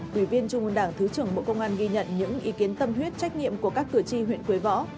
quỳ viên trung ương đảng thứ trưởng bộ công an ghi nhận những ý kiến tâm huyết trách nhiệm của các cửa chi huyện quế võ